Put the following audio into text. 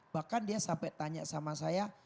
bahkan dia sampai tanya sama saya